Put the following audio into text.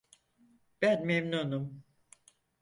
Ben memnunum.